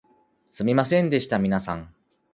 すみませんでした皆さん